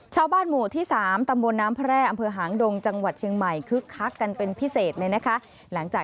เฉาบ้านหมู่ที่สามตำบนน้ำภรรยา